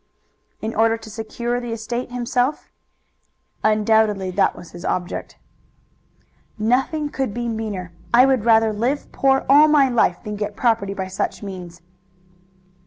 "In order to secure the estate himself?" "Undoubtedly that was his object." "Nothing could be meaner. I would rather live poor all my life than get property by such means."